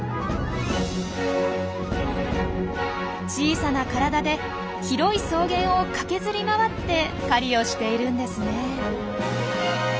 小さな体で広い草原を駆けずり回って狩りをしているんですね。